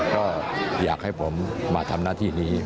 ก็อยากให้ผมมาทำหน้าที่นี้